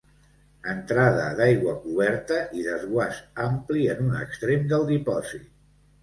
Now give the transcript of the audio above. Entrada d'aigua coberta i desguàs ampli en un extrem del dipòsit.